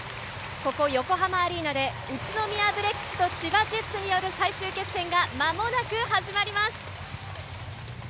ここ横浜アリーナで宇都宮ブレックスと千葉ジェッツによる最終決戦がまもなく始まります。